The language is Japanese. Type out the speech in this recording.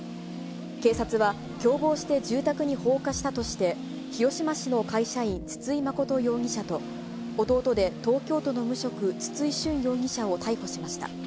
警察は、共謀して住宅に放火したとして、広島市の会社員、筒井誠容疑者と、弟で東京都の無職、筒井俊容疑者を逮捕しました。